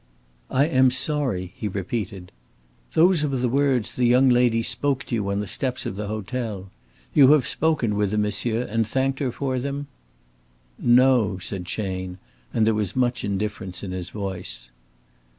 "'I am sorry,'" he repeated. "Those were the words the young lady spoke to you on the steps of the hotel. You have spoken with her, monsieur, and thanked her for them?" "No," said Chayne, and there was much indifference in his voice.